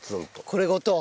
これごと？